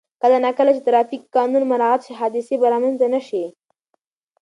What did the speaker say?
کله نا کله چې ترافیک قانون مراعت شي، حادثې به رامنځته نه شي.